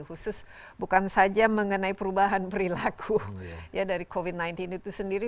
khusus bukan saja mengenai perubahan perilaku ya dari covid sembilan belas itu sendiri